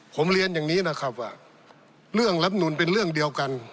ผมเรียนอย่างนี้นะครับว่าเรื่องรับนูลเป็นเรื่องเดียวกัน